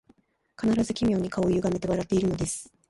必ず奇妙に顔をゆがめて笑っているのです